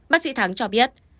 bác sĩ thắng cho biết